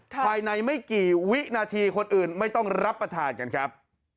ภายในไม่กี่วินาทีคนอื่นไม่ต้องรับประทานกันครับ